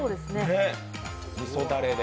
みそだれで。